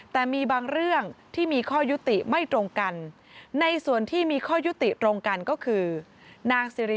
แต่มีบางเรื่องที่มีข้อยุติไม่ตรงกัน